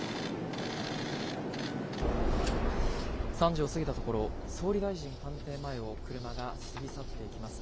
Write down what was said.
３時を過ぎたところ、総理大臣官邸前を車が過ぎ去っていきます。